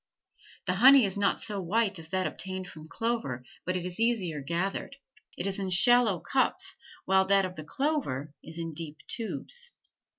The honey is not so white as that obtained from clover but it is easier gathered; it is in shallow cups while that of the clover is in deep tubes.